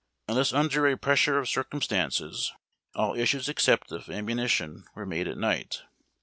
Unless under a pressure of circumstances, all issues except of ammunition were made at night.